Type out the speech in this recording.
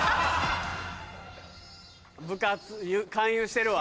部活勧誘してるわ。